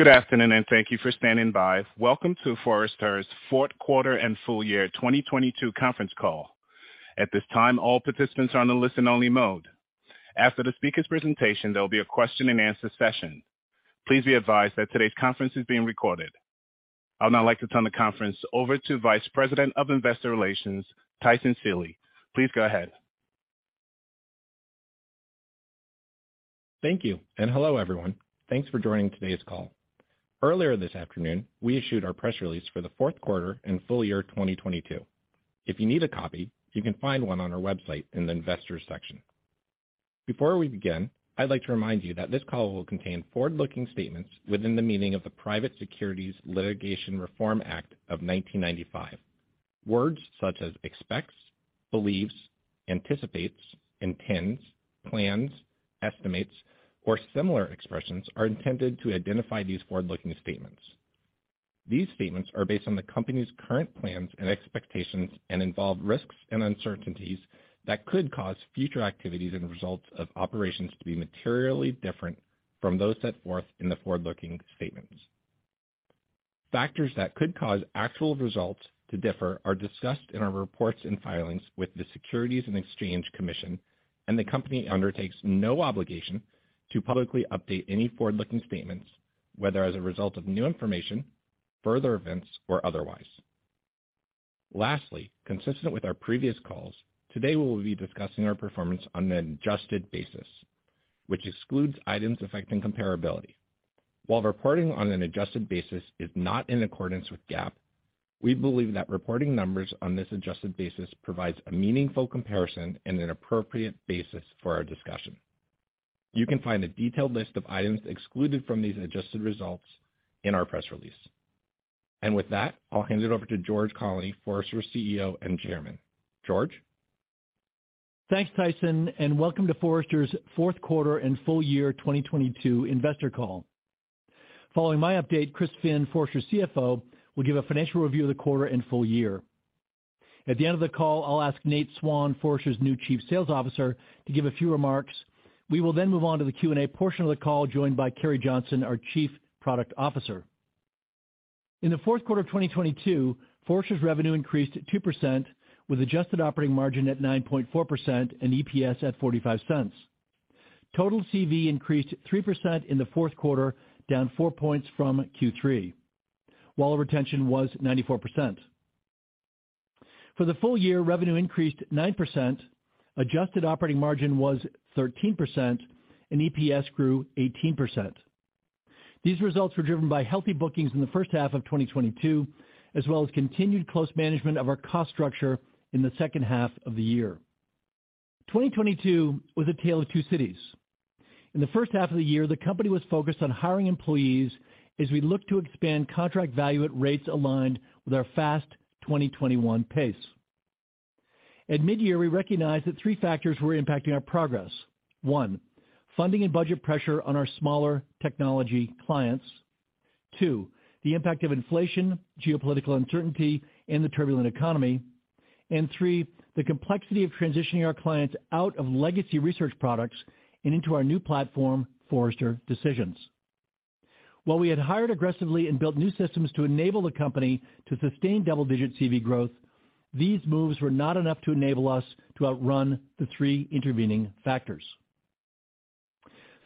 Good afternoon, thank you for standing by. Welcome to Forrester's Fourth Quarter and Full Year 2022 Conference Call. At this time, all participants are on a listen only mode. After the speaker's presentation, there'll be a question and answer session. Please be advised that today's conference is being recorded. I would now like to turn the conference over to Vice President of Investor Relations, Tyson Seely. Please go ahead. Thank you. Hello, everyone. Thanks for joining today's call. Earlier this afternoon, we issued our press release for the fourth quarter and full year 2022. If you need a copy, you can find one on our website in the investors section. Before we begin, I'd like to remind you that this call will contain forward-looking statements within the meaning of the Private Securities Litigation Reform Act of 1995. Words such as expects, believes, anticipates, intends, plans, estimates, or similar expressions are intended to identify these forward-looking statements. Factors that could cause actual results to differ are discussed in our reports and filings with the Securities and Exchange Commission. The company undertakes no obligation to publicly update any forward-looking statements, whether as a result of new information, further events, or otherwise. Lastly, consistent with our previous calls, today we will be discussing our performance on an adjusted basis, which excludes items affecting comparability. While reporting on an adjusted basis is not in accordance with GAAP, we believe that reporting numbers on this adjusted basis provides a meaningful comparison and an appropriate basis for our discussion. You can find a detailed list of items excluded from these adjusted results in our press release. With that, I'll hand it over to George Colony, Forrester's CEO and Chairman. George. Thanks, Tyson. Welcome to Forrester's fourth quarter and full year 2022 investor call. Following my update, Chris Finn, Forrester's CFO, will give a financial review of the quarter and full year. At the end of the call, I'll ask Nate Swan, Forrester's new Chief Sales Officer, to give a few remarks. We will then move on to the Q&A portion of the call, joined by Carrie Johnson, our Chief Product Officer. In the fourth quarter of 2022, Forrester's revenue increased 2% with adjusted operating margin at 9.4% and EPS at $0.45. Total CV increased 3% in the fourth quarter, down four points from Q3. Wallet retention was 94%. For the full year, revenue increased 9%, adjusted operating margin was 13%, and EPS grew 18%. These results were driven by healthy bookings in the first half of 2022, as well as continued close management of our cost structure in the second half of the year. 2022 was a tale of two cities. In the first half of the year, the company was focused on hiring employees as we looked to expand contract value at rates aligned with our fast 2021 pace. At mid-year, we recognized that 3 factors were impacting our progress. One, funding and budget pressure on our smaller technology clients. Two, the impact of inflation, geopolitical uncertainty, and the turbulent economy. Three, the complexity of transitioning our clients out of legacy research products and into our new platform, Forrester Decisions. While we had hired aggressively and built new systems to enable the company to sustain double-digit CV growth, these moves were not enough to enable us to outrun the three intervening factors.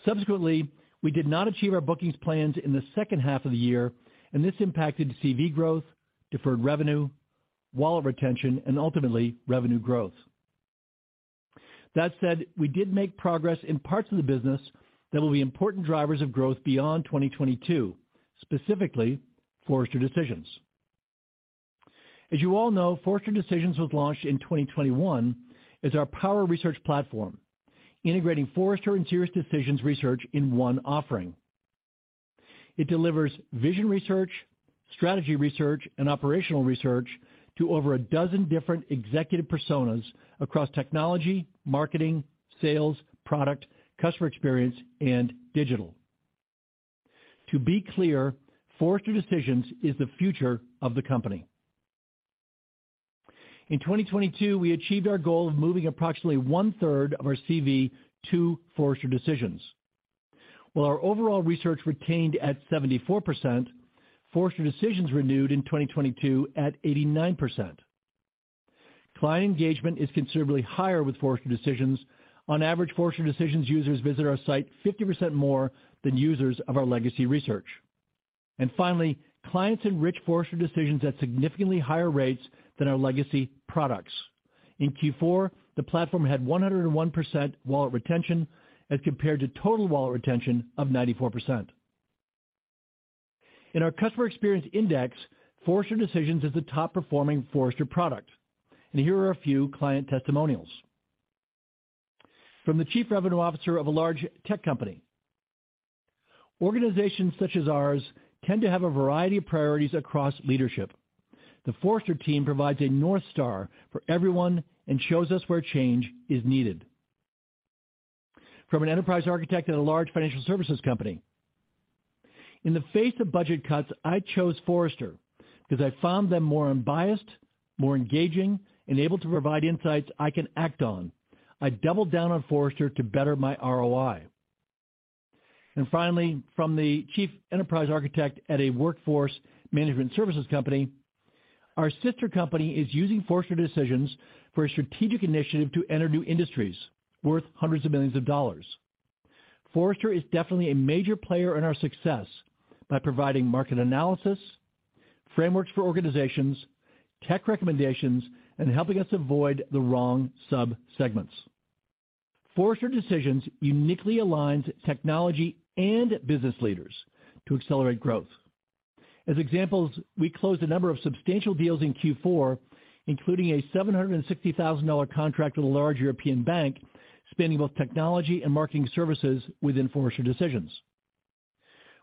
Subsequently, we did not achieve our bookings plans in the second half of the year, and this impacted CV growth, deferred revenue, wallet retention, and ultimately revenue growth. That said, we did make progress in parts of the business that will be important drivers of growth beyond 2022, specifically Forrester Decisions. As you all know, Forrester Decisions was launched in 2021 as our power research platform, integrating Forrester and SiriusDecisions research in one offering. It delivers vision research, strategy research, and operational research to over a dozen different executive personas across technology, marketing, sales, product, customer experience, and digital. To be clear, Forrester Decisions is the future of the company. In 2022, we achieved our goal of moving approximately one-third of our CV to Forrester Decisions. While our overall research retained at 74%, Forrester Decisions renewed in 2022 at 89%. Client engagement is considerably higher with Forrester Decisions. On average, Forrester Decisions users visit our site 50% more than users of our legacy research. Finally, clients enrich Forrester Decisions at significantly higher rates than our legacy products. In Q4, the platform had 101% wallet retention as compared to total wallet retention of 94%. In our Customer Experience Index, Forrester Decisions is the top-performing Forrester product. Here are a few client testimonials. From the Chief Revenue Officer of a large tech company. Organizations such as ours tend to have a variety of priorities across leadership. The Forrester team provides a North Star for everyone and shows us where change is needed. From an enterprise architect at a large financial services company. In the face of budget cuts, I chose Forrester because I found them more unbiased, more engaging, and able to provide insights I can act on. I doubled down on Forrester to better my ROI. Finally, from the chief enterprise architect at a workforce management services company, our sister company is using Forrester Decisions for a strategic initiative to enter new industries worth hundreds of millions of dollars. Forrester is definitely a major player in our success by providing market analysis, frameworks for organizations, tech recommendations, and helping us avoid the wrong sub-segments. Forrester Decisions uniquely aligns technology and business leaders to accelerate growth. As examples, we closed a number of substantial deals in Q4, including a $760,000 contract with a large European bank, spending both technology and marketing services within Forrester Decisions.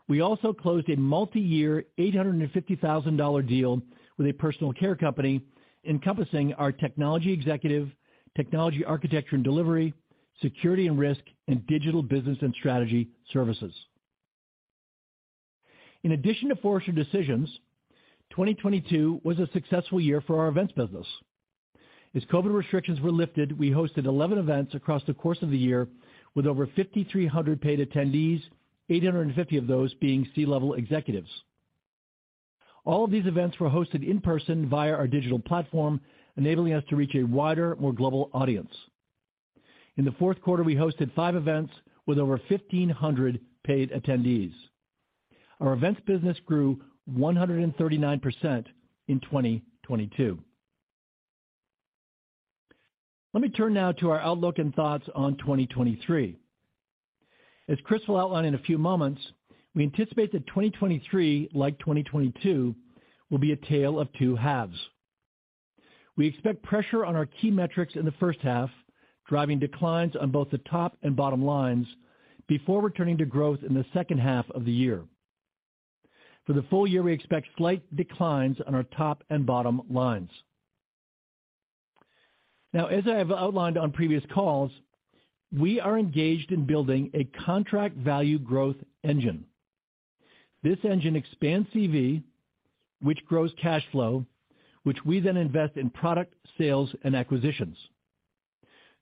We also closed a multiyear $850,000 deal with a personal care company encompassing our technology executive, technology architecture and delivery, security and risk, and digital business and strategy services. In addition to Forrester Decisions, 2022 was a successful year for our events business. As COVID restrictions were lifted, we hosted 11 events across the course of the year with over 5,300 paid attendees, 850 of those being C-level executives. All of these events were hosted in person via our digital platform, enabling us to reach a wider, more global audience. In the fourth quarter, we hosted five events with over 1,500 paid attendees. Our events business grew 139% in 2022. Let me turn now to our outlook and thoughts on 2023. As Chris will outline in a few moments, we anticipate that 2023, like 2022, will be a tale of two halves. We expect pressure on our key metrics in the first half, driving declines on both the top and bottom lines before returning to growth in the second half of the year. For the full year, we expect slight declines on our top and bottom lines. As I have outlined on previous calls, we are engaged in building a contract value growth engine. This engine expands CV, which grows cash flow, which we then invest in product sales and acquisitions.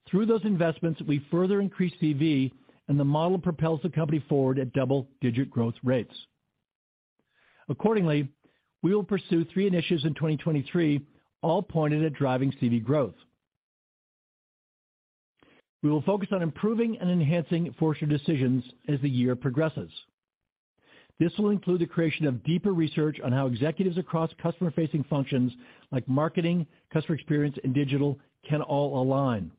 Through those investments, we further increase CV, the model propels the company forward at double-digit growth rates. Accordingly, we will pursue three initiatives in 2023, all pointed at driving CV growth. We will focus on improving and enhancing Forrester Decisions as the year progresses. This will include the creation of deeper research on how executives across customer-facing functions like marketing, customer experience, and digital can all align.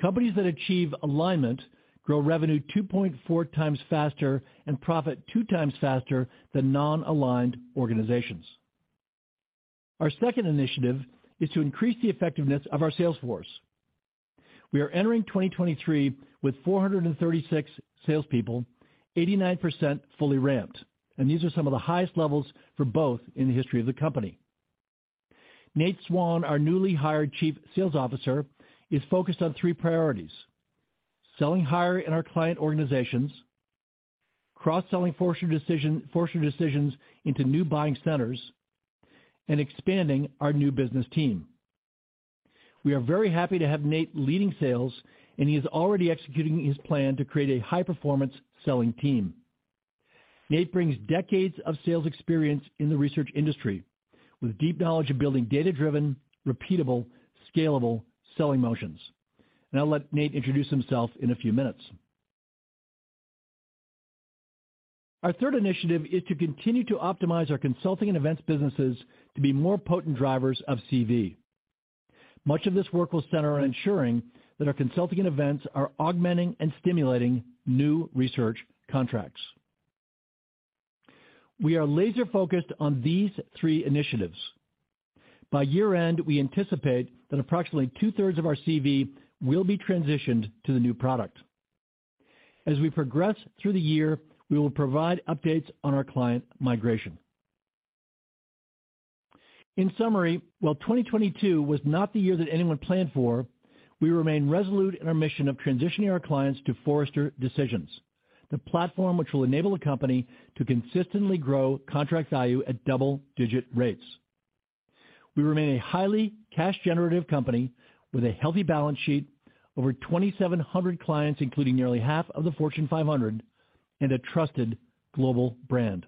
Companies that achieve alignment grow revenue 2.4 times faster and profit two times faster than non-aligned organizations. Our second initiative is to increase the effectiveness of our sales force. We are entering 2023 with 436 salespeople, 89% fully ramped, these are some of the highest levels for both in the history of the company. Nate Swan, our newly hired Chief Sales Officer, is focused on three priorities: selling higher in our client organizations, cross-selling Forrester Decisions into new buying centers, and expanding our new business team. We are very happy to have Nate leading sales, and he is already executing his plan to create a high-performance selling team. Nate brings decades of sales experience in the research industry with deep knowledge of building data-driven, repeatable, scalable selling motions. I'll let Nate introduce himself in a few minutes. Our third initiative is to continue to optimize our consulting and events businesses to be more potent drivers of CV. Much of this work will center on ensuring that our consulting and events are augmenting and stimulating new research contracts. We are laser-focused on these three initiatives. By year-end, we anticipate that approximately two-thirds of our CV will be transitioned to the new product. As we progress through the year, we will provide updates on our client migration. In summary, while 2022 was not the year that anyone planned for, we remain resolute in our mission of transitioning our clients to Forrester Decisions, the platform which will enable the company to consistently grow contract value at double-digit rates. We remain a highly cash-generative company with a healthy balance sheet, over 2,700 clients, including nearly half of the Fortune 500, and a trusted global brand.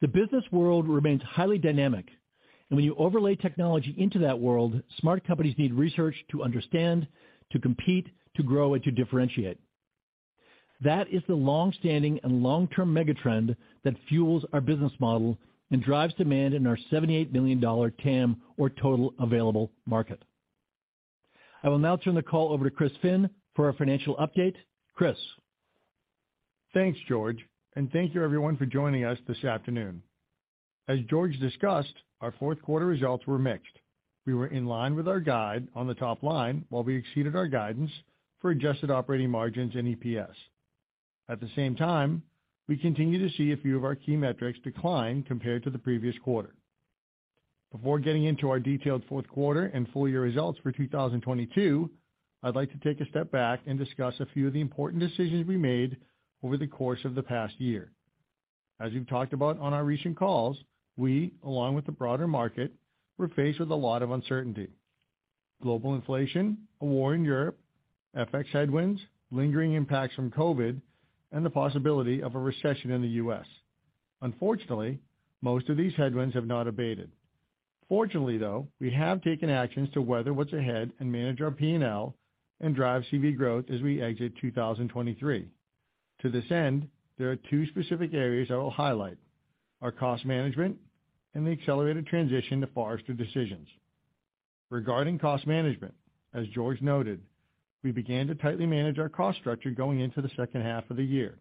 The business world remains highly dynamic, and when you overlay technology into that world, smart companies need research to understand, to compete, to grow, and to differentiate. That is the long-standing and long-term mega trend that fuels our business model and drives demand in our $78 million TAM or total available market. I will now turn the call over to Chris Finn for our financial update. Chris? Thanks, George. Thank you everyone for joining us this afternoon. As George discussed, our fourth quarter results were mixed. We were in line with our guide on the top line while we exceeded our guidance for adjusted operating margins and EPS. At the same time, we continue to see a few of our key metrics decline compared to the previous quarter. Before getting into our detailed fourth quarter and full year results for 2022, I'd like to take a step back and discuss a few of the important decisions we made over the course of the past year. As you've talked about on our recent calls, we along with the broader market, were faced with a lot of uncertainty. Global inflation, a war in Europe, FX headwinds, lingering impacts from COVID, and the possibility of a recession in the U.S. Unfortunately, most of these headwinds have not abated. Fortunately, we have taken actions to weather what's ahead and manage our P&L and drive CV growth as we exit 2023. To this end, there are two specific areas I will highlight. Our cost management and the accelerated transition to Forrester Decisions. Regarding cost management, as George noted, we began to tightly manage our cost structure going into the second half of the year.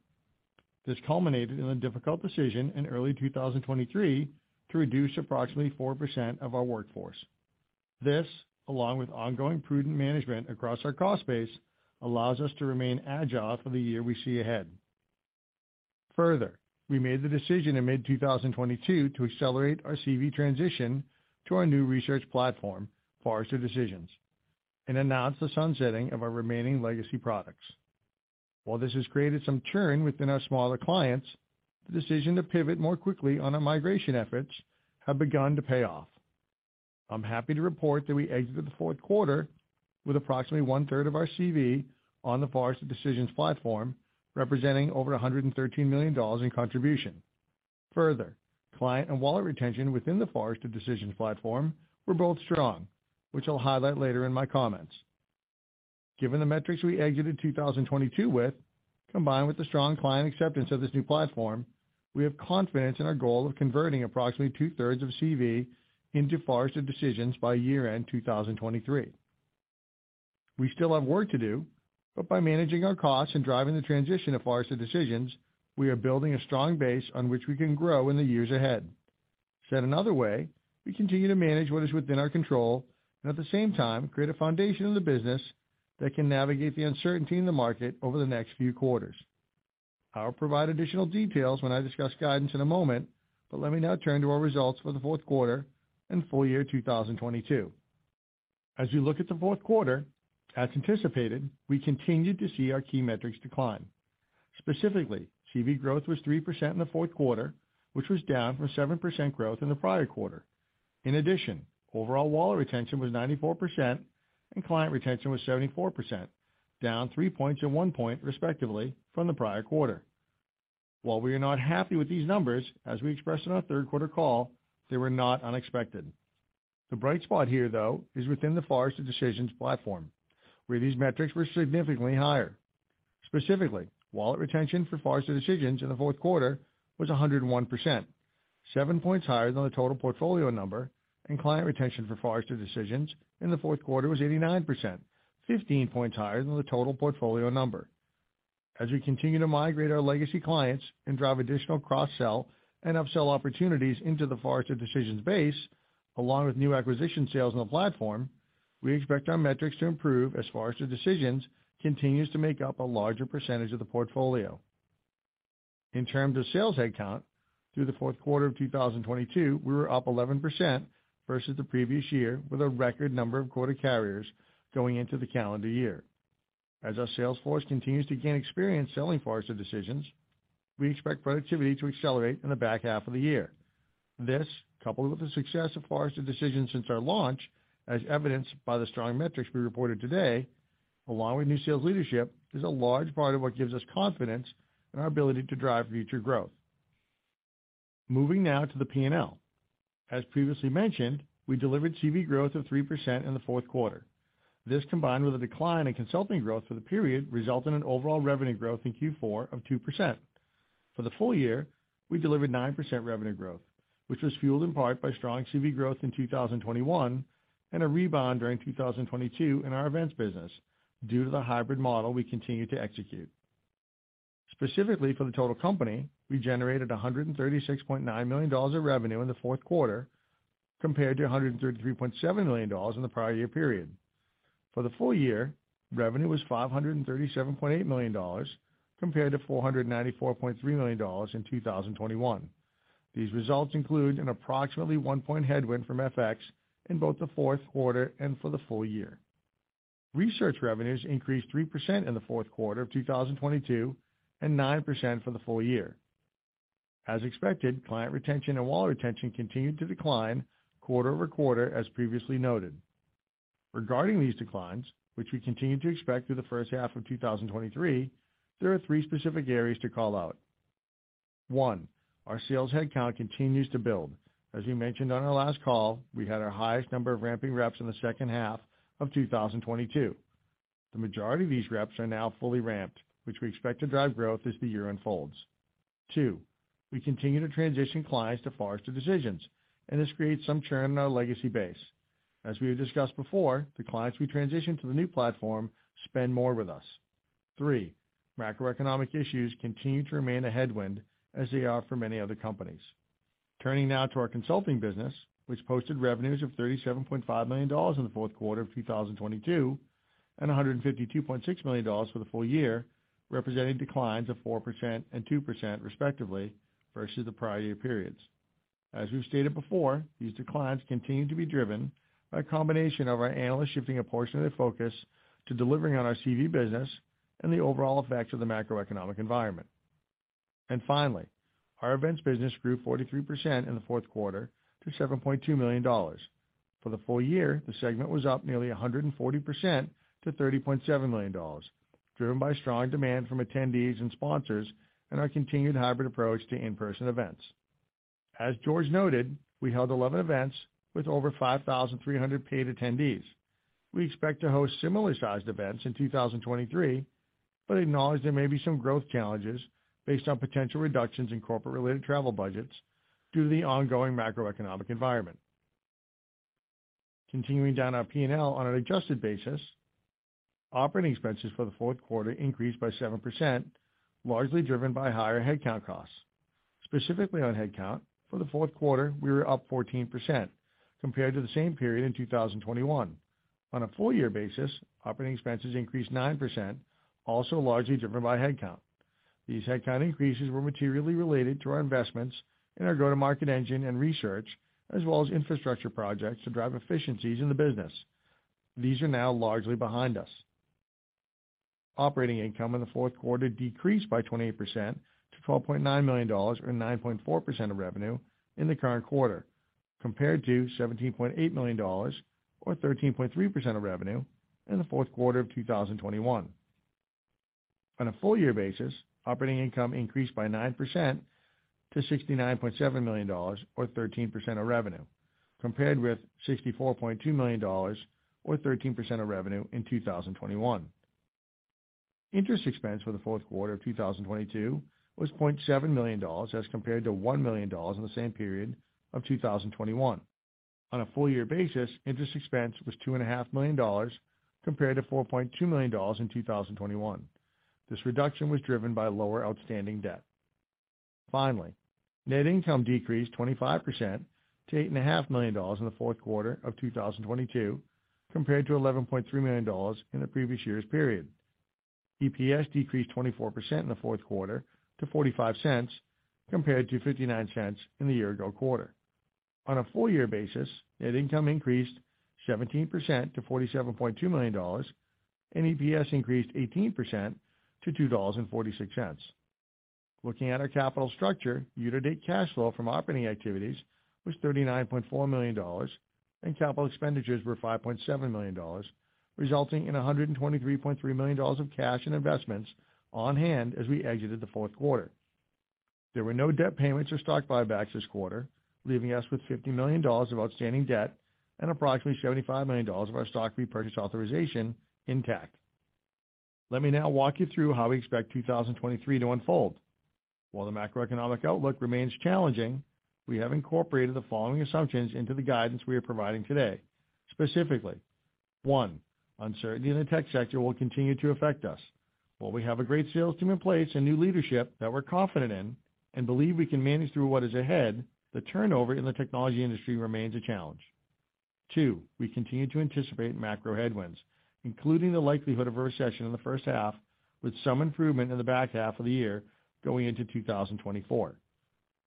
This culminated in a difficult decision in early 2023 to reduce approximately 4% of our workforce. This, along with ongoing prudent management across our cost base, allows us to remain agile for the year we see ahead. We made the decision in mid-2022 to accelerate our CV transition to our new research platform, Forrester Decisions, and announce the sunsetting of our remaining legacy products. While this has created some churn within our smaller clients, the decision to pivot more quickly on our migration efforts have begun to pay off. I'm happy to report that we exited the fourth quarter with approximately one-third of our CV on the Forrester Decisions platform, representing over $113 million in contribution. Further, client and wallet retention within the Forrester Decisions platform were both strong, which I'll highlight later in my comments. Given the metrics we exited 2022 with, combined with the strong client acceptance of this new platform, we have confidence in our goal of converting approximately two-thirds of CV into Forrester Decisions by year-end 2023. We still have work to do, by managing our costs and driving the transition to Forrester Decisions, we are building a strong base on which we can grow in the years ahead. Said another way, we continue to manage what is within our control and at the same time, create a foundation in the business that can navigate the uncertainty in the market over the next few quarters. I'll provide additional details when I discuss guidance in a moment, but let me now turn to our results for the fourth quarter and full year 2022. As you look at the fourth quarter, as anticipated, we continued to see our key metrics decline. Specifically, CV growth was 3% in the fourth quarter, which was down from 7% growth in the prior quarter. In addition, overall wallet retention was 94% and client retention was 74%, down three points and one point, respectively, from the prior quarter. While we are not happy with these numbers, as we expressed in our third quarter call, they were not unexpected. The bright spot here, though, is within the Forrester Decisions platform, where these metrics were significantly higher. Specifically, wallet retention for Forrester Decisions in the fourth quarter was 101%, seven points higher than the total portfolio number. Client retention for Forrester Decisions in the fourth quarter was 89%, 15 points higher than the total portfolio number. As we continue to migrate our legacy clients and drive additional cross-sell and upsell opportunities into the Forrester Decisions base, along with new acquisition sales on the platform, we expect our metrics to improve as Forrester Decisions continues to make up a larger percentage of the portfolio. In terms of sales headcount through the fourth quarter of 2022, we were up 11% versus the previous year with a record number of quota carriers going into the calendar year. As our sales force continues to gain experience selling Forrester Decisions, we expect productivity to accelerate in the back half of the year. This, coupled with the success of Forrester Decisions since our launch, as evidenced by the strong metrics we reported today, along with new sales leadership, is a large part of what gives us confidence in our ability to drive future growth. Moving now to the P&L. As previously mentioned, we delivered CV growth of 3% in the fourth quarter. This, combined with a decline in consulting growth for the period, result in an overall revenue growth in Q4 of 2%. For the full year, we delivered 9% revenue growth, which was fueled in part by strong CV growth in 2021 and a rebound during 2022 in our events business due to the hybrid model we continued to execute. Specifically for the total company, we generated $136.9 million of revenue in the fourth quarter compared to $133.7 million in the prior year period. For the full year, revenue was $537.8 million compared to $494.3 million in 2021. These results include an approximately 1-point headwind from FX in both the fourth quarter and for the full year. Research revenues increased 3% in the fourth quarter of 2022 and 9% for the full year. As expected, client retention and wallet retention continued to decline quarter-over-quarter as previously noted. Regarding these declines, which we continue to expect through the first half of 2023, there are three specific areas to call out. One, our sales headcount continues to build. As we mentioned on our last call, we had our highest number of ramping reps in the second half of 2022. The majority of these reps are now fully ramped, which we expect to drive growth as the year unfolds. Two, we continue to transition clients to Forrester Decisions, and this creates some churn in our legacy base. As we have discussed before, the clients we transition to the new platform spend more with us. Three, macroeconomic issues continue to remain a headwind as they are for many other companies. Turning now to our consulting business, which posted revenues of $37.5 million in the fourth quarter of 2022 and $152.6 million for the full year, representing declines of 4% and 2% respectively versus the prior year periods. As we've stated before, these declines continue to be driven by a combination of our analysts shifting a portion of their focus to delivering on our CV business and the overall effects of the macroeconomic environment. Finally, our events business grew 43% in the fourth quarter to $7.2 million. For the full year, the segment was up nearly 140% to $30.7 million, driven by strong demand from attendees and sponsors and our continued hybrid approach to in-person events. As George noted, we held 11 events with over 5,300 paid attendees. We expect to host similar-sized events in 2023, but acknowledge there may be some growth challenges based on potential reductions in corporate-related travel budgets due to the ongoing macroeconomic environment. Continuing down our P&L on an adjusted basis, operating expenses for the fourth quarter increased by 7%, largely driven by higher headcount costs. Specifically on headcount, for the fourth quarter, we were up 14% compared to the same period in 2021. On a full year basis, operating expenses increased 9%, also largely driven by headcount. These headcount increases were materially related to our investments in our go-to-market engine and research, as well as infrastructure projects to drive efficiencies in the business. These are now largely behind us. Operating income in the fourth quarter decreased by 28% to $12.9 million or 9.4% of revenue in the current quarter, compared to $17.8 million or 13.3% of revenue in the fourth quarter of 2021. On a full year basis, operating income increased by 9% to $69.7 million or 13% of revenue, compared with $64.2 million or 13% of revenue in 2021. Interest expense for the fourth quarter of 2022 was $0.7 million as compared to $1 million in the same period of 2021. On a full year basis, interest expense was two and a half million dollars compared to $4.2 million in 2021. This reduction was driven by lower outstanding debt. Finally, net income decreased 25% to eight and a half million dollars in the fourth quarter of 2022, compared to $11.3 million in the previous year's period. EPS decreased 24% in the fourth quarter to $0.45, compared to $0.59 in the year ago quarter. On a full year basis, net income increased 17% to $47.2 million, and EPS increased 18% to $2.46. Looking at our capital structure, year-to-date cash flow from operating activities was $39.4 million, and capital expenditures were $5.7 million, resulting in $123.3 million of cash and investments on hand as we exited the fourth quarter. There were no debt payments or stock buybacks this quarter, leaving us with $50 million of outstanding debt and approximately $75 million of our stock repurchase authorization intact. Let me now walk you through how we expect 2023 to unfold. While the macroeconomic outlook remains challenging, we have incorporated the following assumptions into the guidance we are providing today. Specifically, one, uncertainty in the tech sector will continue to affect us. While we have a great sales team in place and new leadership that we're confident in and believe we can manage through what is ahead, the turnover in the technology industry remains a challenge. Two, we continue to anticipate macro headwinds, including the likelihood of a recession in the first half, with some improvement in the back half of the year going into 2024.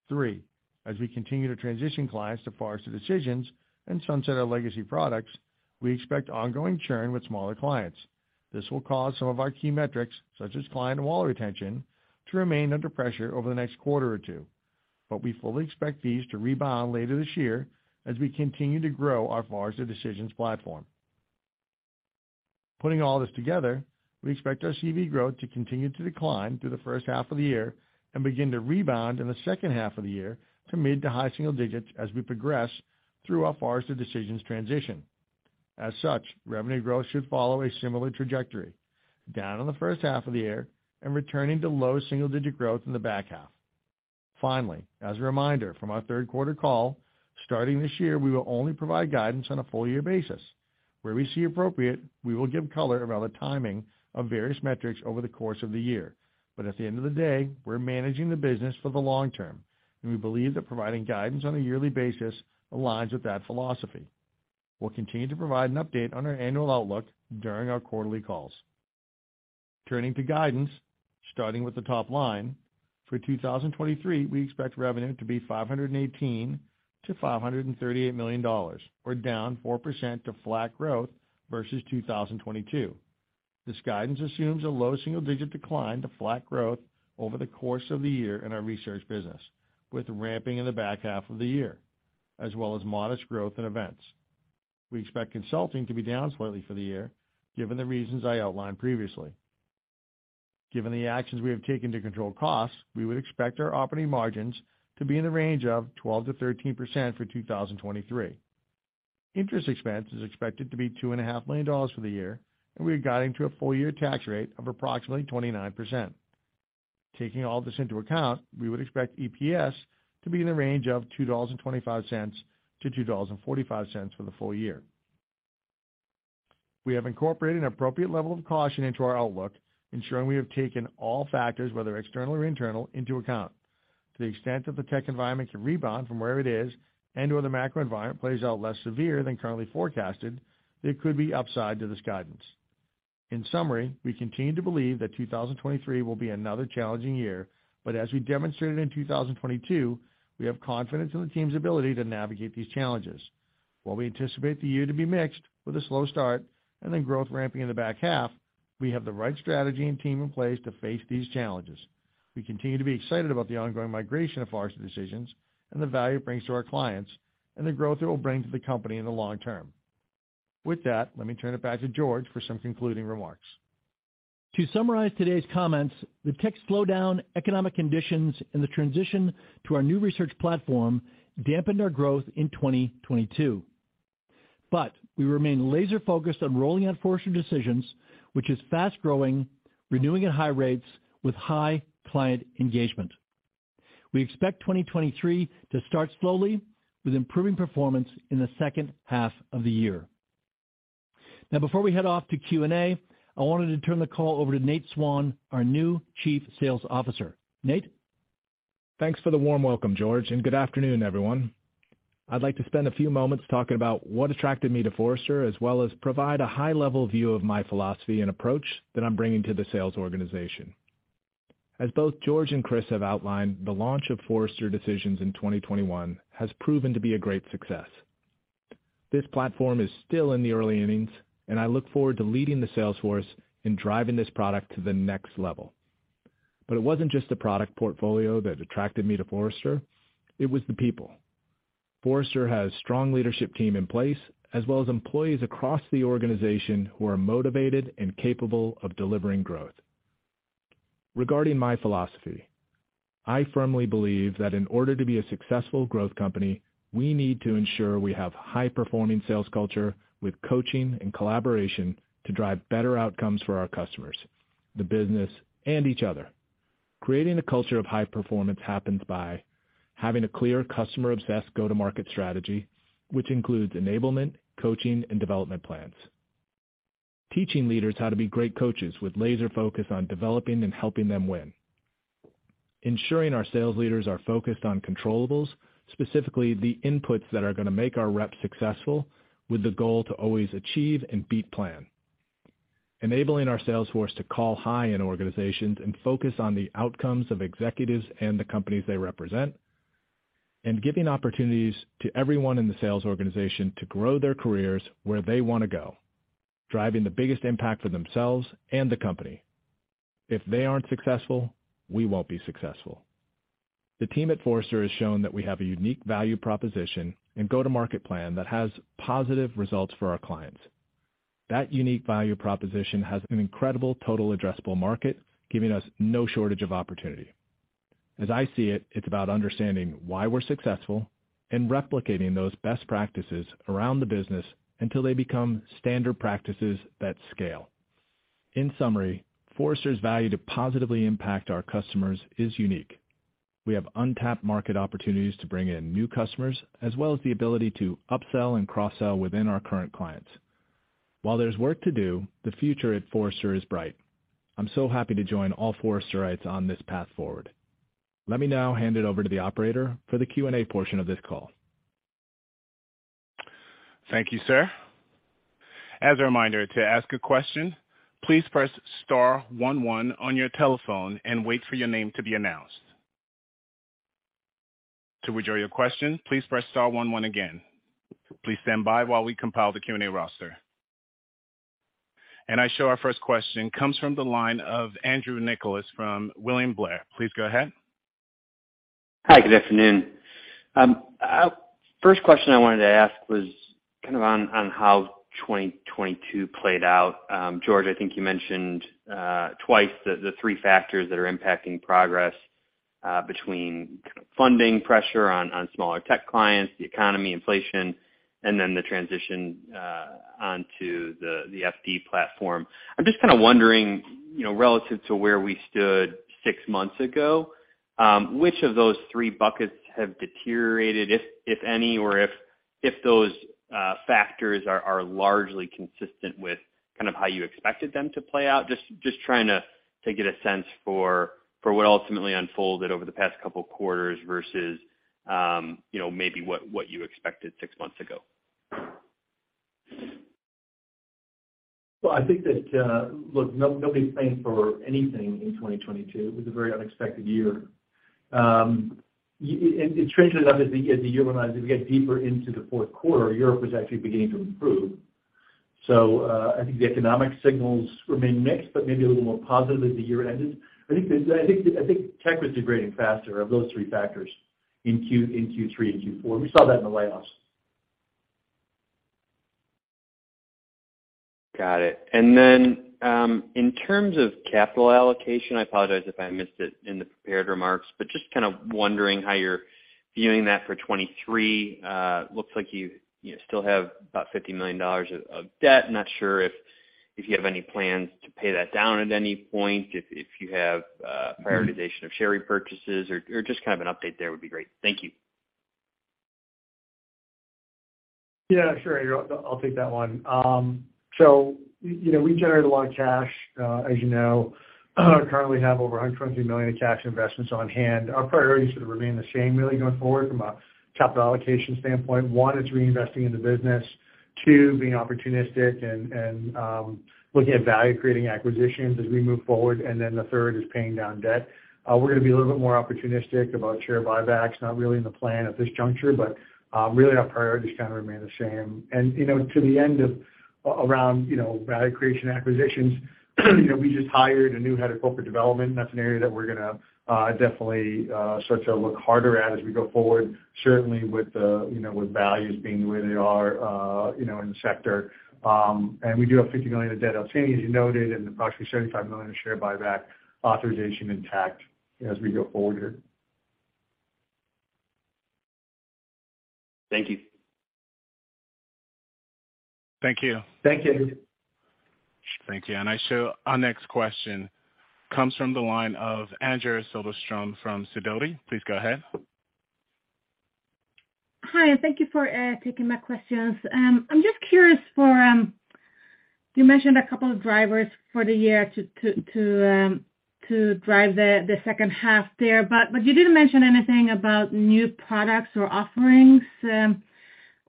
Three, as we continue to transition clients to Forrester Decisions and sunset our legacy products, we expect ongoing churn with smaller clients. This will cause some of our key metrics, such as client and wallet retention, to remain under pressure over the next quarter or two. We fully expect these to rebound later this year as we continue to grow our Forrester Decisions platform. Putting all this together, we expect our CV growth to continue to decline through the first half of the year and begin to rebound in the second half of the year to mid to high single-digits as we progress through our Forrester Decisions transition. Revenue growth should follow a similar trajectory, down in the first half of the year and returning to low single-digit growth in the back half. Finally, as a reminder from our third quarter call, starting this year, we will only provide guidance on a full year basis. Where we see appropriate, we will give color around the timing of various metrics over the course of the year. At the end of the day, we're managing the business for the long term, and we believe that providing guidance on a yearly basis aligns with that philosophy. We'll continue to provide an update on our annual outlook during our quarterly calls. To guidance, starting with the top line. For 2023, we expect revenue to be $518 million-$538 million or down 4% to flat growth versus 2022. This guidance assumes a low single-digit decline to flat growth over the course of the year in our research business, with ramping in the back half of the year, as well as modest growth in events. We expect consulting to be down slightly for the year, given the reasons I outlined previously. Given the actions we have taken to control costs, we would expect our operating margins to be in the range of 12%-13% for 2023. Interest expense is expected to be $2.5 million for the year, and we are guiding to a full year tax rate of approximately 29%. Taking all this into account, we would expect EPS to be in the range of $2.25-$2.45 for the full year. We have incorporated an appropriate level of caution into our outlook, ensuring we have taken all factors, whether external or internal, into account. To the extent that the tech environment can rebound from where it is and or the macro environment plays out less severe than currently forecasted, there could be upside to this guidance. In summary, we continue to believe that 2023 will be another challenging year, as we demonstrated in 2022, we have confidence in the team's ability to navigate these challenges. While we anticipate the year to be mixed with a slow start and then growth ramping in the back half, we have the right strategy and team in place to face these challenges. We continue to be excited about the ongoing migration of Forrester Decisions and the value it brings to our clients and the growth it will bring to the company in the long term. With that, let me turn it back to George for some concluding remarks. To summarize today's comments, the tech slowdown, economic conditions, and the transition to our new research platform dampened our growth in 2022. We remain laser-focused on rolling out Forrester Decisions, which is fast-growing, renewing at high rates, with high client engagement. We expect 2023 to start slowly with improving performance in the second half of the year. Before we head off to Q&A, I wanted to turn the call over to Nate Swan, our new Chief Sales Officer. Nate? Thanks for the warm welcome, George. Good afternoon, everyone. I'd like to spend a few moments talking about what attracted me to Forrester, as well as provide a high-level view of my philosophy and approach that I'm bringing to the sales organization. As both George and Chris have outlined, the launch of Forrester Decisions in 2021 has proven to be a great success. This platform is still in the early innings. I look forward to leading the sales force in driving this product to the next level. It wasn't just the product portfolio that attracted me to Forrester, it was the people. Forrester has strong leadership team in place, as well as employees across the organization who are motivated and capable of delivering growth. Regarding my philosophy, I firmly believe that in order to be a successful growth company, we need to ensure we have high-performing sales culture with coaching and collaboration to drive better outcomes for our customers, the business, and each other. Creating a culture of high performance happens by having a clear customer-obsessed go-to-market strategy, which includes enablement, coaching, and development plans. Teaching leaders how to be great coaches with laser focus on developing and helping them win. Ensuring our sales leaders are focused on controllables, specifically the inputs that are gonna make our reps successful, with the goal to always achieve and beat plan. Enabling our sales force to call high in organizations and focus on the outcomes of executives and the companies they represent. Giving opportunities to everyone in the sales organization to grow their careers where they wanna go, driving the biggest impact for themselves and the company. If they aren't successful, we won't be successful. The team at Forrester has shown that we have a unique value proposition and go-to-market plan that has positive results for our clients. That unique value proposition has an incredible total addressable market, giving us no shortage of opportunity. I see it's about understanding why we're successful and replicating those best practices around the business until they become standard practices that scale. In summary, Forrester's value to positively impact our customers is unique. We have untapped market opportunities to bring in new customers, as well as the ability to upsell and cross-sell within our current clients. There's work to do, the future at Forrester is bright. I'm so happy to join all Forresterites on this path forward. Let me now hand it over to the operator for the Q&A portion of this call. Thank you, sir. As a reminder, to ask a question, please press star one one on your telephone and wait for your name to be announced. To withdraw your question, please press star one one again. Please stand by while we compile the Q&A roster. I show our first question comes from the line of Andrew Nicholas from William Blair. Please go ahead. Hi, good afternoon. First question I wanted to ask was kind of on how 2022 played out. George, I think you mentioned twice the three factors that are impacting progress between kind of funding pressure on smaller tech clients, the economy inflation, and then the transition onto the FD platform. I'm just kinda wondering, you know, relative to where we stood six months ago, which of those three buckets have deteriorated, if any, or if those factors are largely consistent with kind of how you expected them to play out? Just trying to get a sense for what ultimately unfolded over the past couple quarters versus, you know, maybe what you expected six months ago. I think that, look, nobody's playing for anything in 2022. It was a very unexpected year. It translated obviously as the year went on, as we get deeper into the fourth quarter, Europe was actually beginning to improve. I think the economic signals remain mixed, but maybe a little more positive as the year ended. I think tech was degrading faster of those three factors in Q3 and Q4. We saw that in the layoffs. Got it. In terms of capital allocation, I apologize if I missed it in the prepared remarks, but just kind of wondering how you're viewing that for 2023. Looks like you know, still have about $50 million of debt. Not sure if you have any plans to pay that down at any point, if you have prioritization of share repurchases or just kind of an update there would be great. Thank you. Yeah, sure, Andrew. I'll take that one. You know, we generate a lot of cash, as you know. Currently have over $120 million in cash investments on hand. Our priorities sort of remain the same really going forward from a capital allocation standpoint. One, it's reinvesting in the business. Two, being opportunistic and looking at value-creating acquisitions as we move forward. Then the third is paying down debt. We're gonna be a little bit more opportunistic about share buybacks, not really in the plan at this juncture, but really our priorities kind of remain the same. You know, to the end of around, you know, value creation acquisitions, you know, we just hired a new head of corporate development, and that's an area that we're gonna definitely start to look harder at as we go forward, certainly with, you know, with values being where they are, you know, in the sector. We do have $50 million of debt outstanding, as you noted, and approximately $75 million in share buyback authorization intact as we go forward. Thank you. Thank you. Thank you. Thank you. I show our next question comes from the line of Anja Soderstrom from Sidoti. Please go ahead. Hi, and thank you for taking my questions. I'm just curious for... You mentioned a couple of drivers for the year to drive the second half there, but you didn't mention anything about new products or offerings.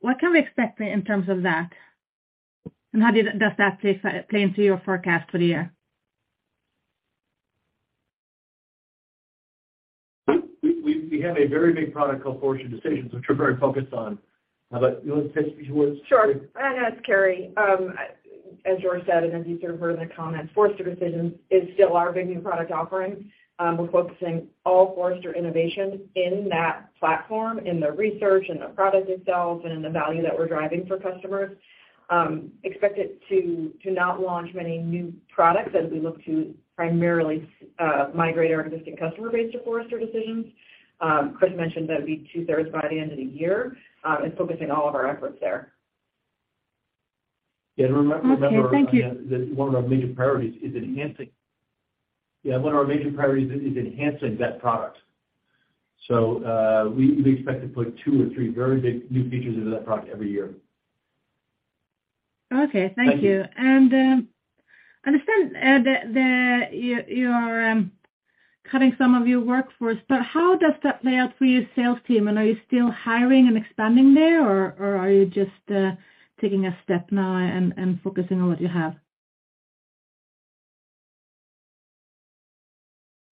What can we expect in terms of that? How does that play into your forecast for the year? We have a very big product called Forrester Decisions, which we're very focused on. You want to take this, because you were. Sure. No, that's Carrie. As George said, as you sort of heard in the comments, Forrester Decisions is still our big new product offering. We're focusing all Forrester innovation in that platform, in the research, in the product itself, and in the value that we're driving for customers. Expect it to not launch many new products as we look to primarily migrate our existing customer base to Forrester Decisions. Chris mentioned that'd be two-thirds by the end of the year, focusing all of our efforts there. Yeah. Okay. Thank you. Remember, Anja, one of our major priorities is enhancing that product. We expect to put two or three very big new features into that product every year. Okay, thank you. Thank you. Understand, that you're cutting some of your workforce, but how does that play out for your sales team? Are you still hiring and expanding there, or are you just taking a step now and focusing on what you have?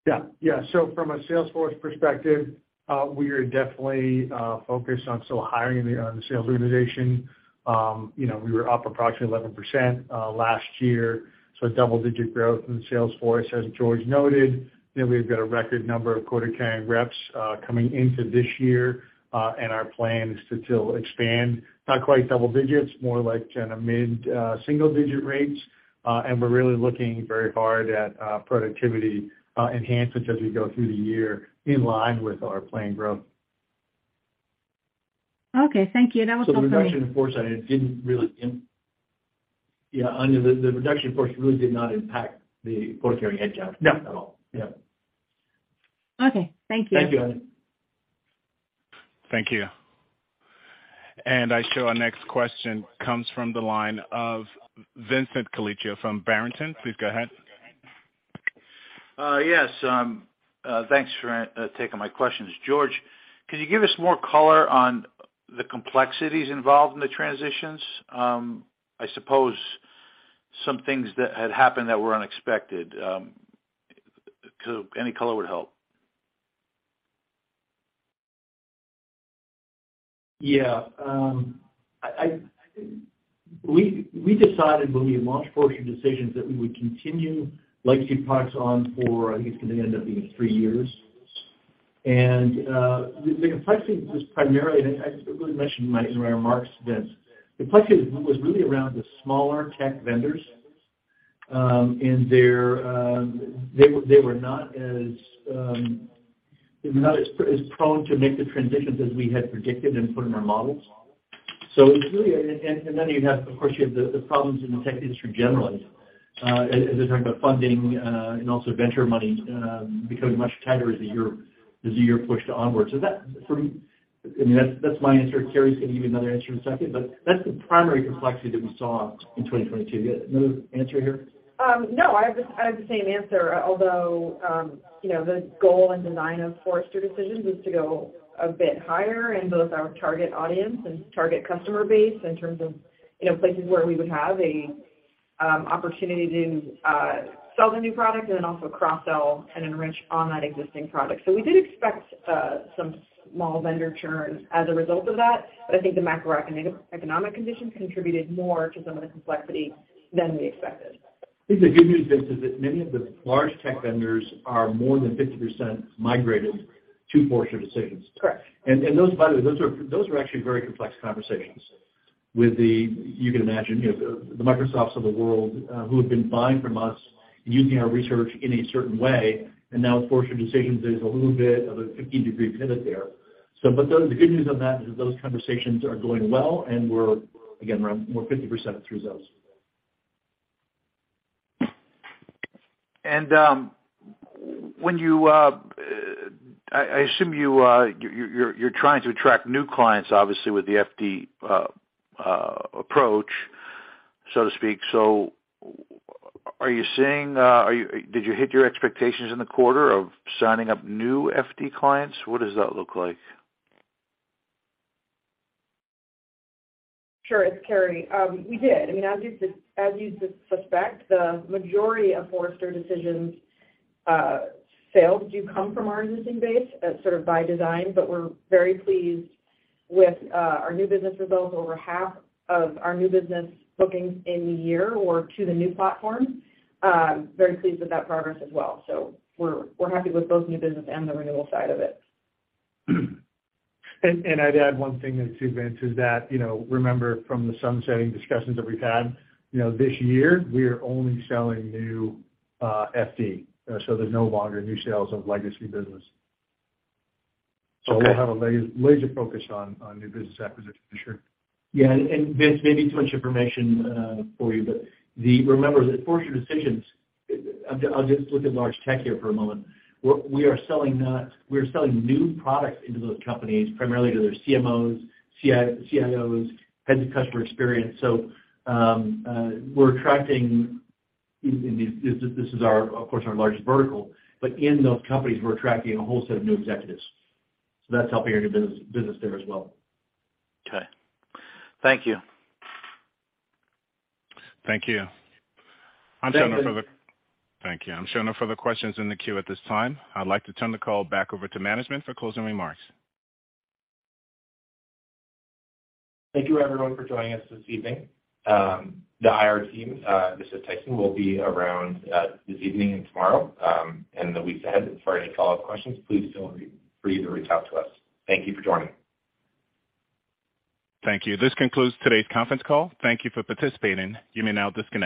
Yeah. Yeah. From a sales force perspective, we are definitely focused on still hiring in the sales organization. You know, we were up approximately 11% last year, so double-digit growth in the sales force, as George noted. You know, we've got a record number of quota-carrying reps coming into this year. Our plan is to still expand, not quite double digits, more like in a mid single-digit rates. We're really looking very hard at productivity enhancements as we go through the year in line with our planned growth. Okay, thank you. That was helpful. Yeah, Anja, the reduction in Forrester really did not impact the quota-carrying headcount at all. Yeah. Okay. Thank you. Thank you, Anja. Thank you. I show our next question comes from the line of Vincent Colicchio from Barrington. Please go ahead. Yes. Thanks for taking my questions. George, can you give us more color on the complexities involved in the transitions? I suppose some things that had happened that were unexpected. Any color would help. Yeah. I, we decided when we launched Forrester Decisions that we would continue legacy products on for, I think it's gonna end up being three years. The complexity was primarily, and I really mentioned in my remarks, Vince. The complexity was really around the smaller tech vendors, and their, they were not as prone to make the transitions as we had predicted and put in our models. It's really... You have, of course, you have the problems in the tech industry generally, as they're talking about funding, and also venture money, becoming much tighter as the year pushed onwards. That, for me, I mean, that's my answer. Carrie's gonna give you another answer in a second, but that's the primary complexity that we saw in 2022. You have another answer here? No, I have the same answer. Although, you know, the goal and design of Forrester Decisions is to go a bit higher in both our target audience and target customer base in terms of, you know, places where we would have a opportunity to sell the new product and then also cross-sell and enrich on that existing product. We did expect some small vendor churn as a result of that, I think the macroeconomic condition contributed more to some of the complexity than we expected. I think the good news, Vince, is that many of the large tech vendors are more than 50% migrated to Forrester Decisions. Correct. Those, by the way, those are actually very complex conversations with the, you can imagine, you know, the Microsofts of the world, who have been buying from us and using our research in a certain way, and now with Forrester Decisions, there's a little bit of a 50-degree pivot there. The good news on that is those conversations are going well, and we're, again, around, we're 50% through those. When you, I assume you're trying to attract new clients, obviously, with the FD approach, so to speak. Did you hit your expectations in the quarter of signing up new FD clients? What does that look like? Sure. It's Carrie. We did. I mean, as you suspect, the majority of Forrester Decisions sales do come from our existing base as sort of by design, but we're very pleased with our new business results. Over half of our new business bookings in the year or to the new platform, very pleased with that progress as well. We're happy with both new business and the renewal side of it. I'd add one thing to Vince, is that, you know, remember from the sunsetting discussions that we've had, you know, this year we are only selling new FD. There's no longer new sales of legacy business. Okay. We'll have a laser focus on new business acquisition for sure. Vince, maybe it's much information for you, but remember that Forrester Decisions, I'll just, I'll just look at large tech here for a moment. We are selling new product into those companies, primarily to their CMOs, CIOs, head of customer experience. We're attracting... This is our, of course, our largest vertical. In those companies, we're attracting a whole set of new executives. That's helping our new business there as well. Okay. Thank you. Thank you. I'm showing no further- Thank you. Thank you. I'm showing no further questions in the queue at this time. I'd like to turn the call back over to management for closing remarks. Thank you, everyone, for joining us this evening. The IR team, this is Tyson, will be around this evening and tomorrow, and the weeks ahead for any follow-up questions. Please feel free for you to reach out to us. Thank you for joining. Thank you. This concludes today's conference call. Thank you for participating. You may now disconnect.